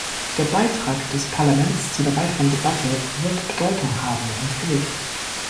Der Beitrag des Parlaments zu der weiteren Debatte wird Bedeutung haben und Gewicht.